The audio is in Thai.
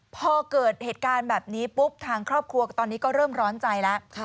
พอเกิดเหตุการณ์แบบนี้ปุ๊บทางครอบครัวตอนนี้ก็เริ่มร้อนใจแล้ว